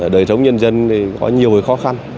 đời sống nhân dân có nhiều khó khăn